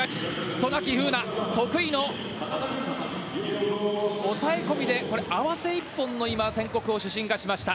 渡名喜風南得意の抑え込みで合わせ一本の宣告を今、主審がしました。